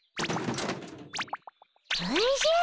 おじゃ！